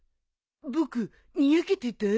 僕にやけてた？